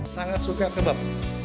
sangat suka kebab